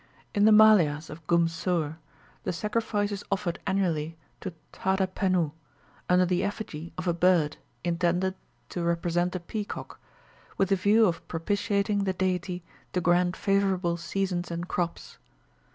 In the Maliahs of Goomsur, the sacrifice is offered annually to Thadha Pennoo, under the effigy of a bird intended to represent a peacock, with the view of propitiating the deity to grant favourable seasons and crops.